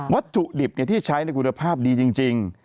วัตถุดิบเนี่ยที่ใช้นะฮะกุณฑาต์ดีจริง